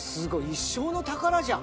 一生の宝じゃん。